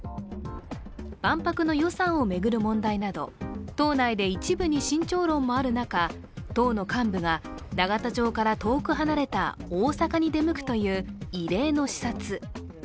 万博の予算を巡る問題など党内で一部に慎重論もある中党の幹部が永田町から遠く離れた大阪に出向くという異例の視察。